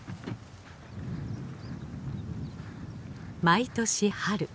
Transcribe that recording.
毎年春。